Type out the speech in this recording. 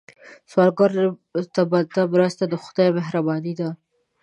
سوالګر ته بنده مرسته، د خدای مهرباني ده